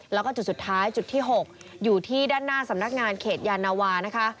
แล้วก็จุดสุดท้ายจุดที่๖อยู่ที่ด้านหน้าสำนักงานเขตยานวานะคะ